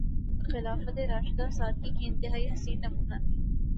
خلافت راشدہ سادگی کا انتہائی حسین نمونہ تھی۔